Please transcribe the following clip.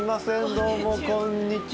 どうもこんにちは。